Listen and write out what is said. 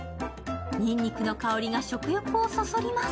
にんにくの香りが食欲をそそります。